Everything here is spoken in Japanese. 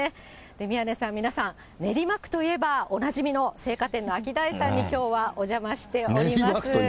宮根さん、皆さん、練馬区といえばおなじみの青果店のアキダイさんにきょうはお邪魔練馬区といえば。